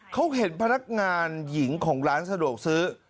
เขาเห็นพนักงานหญิงของร้านสะดวกซื้อ